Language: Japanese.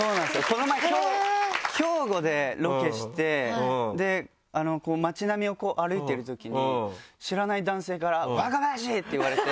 この前兵庫でロケして街並みを歩いてるときに知らない男性から「若林！」って言われて。